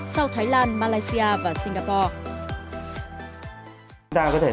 sau thái lan malaysia và singapore